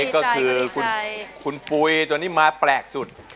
คุณปุ๋ยตัวนี้ม้าแปลกสุด